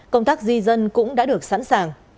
công tác di dân cũng đã được sẵn sàng